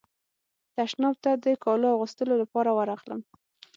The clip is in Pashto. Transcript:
تشناب ته د کالو اغوستلو لپاره ورغلم.